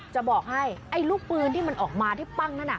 จะบอกให้ไอ้ลูกปืนที่มันออกมาที่ปั้งนั่นน่ะ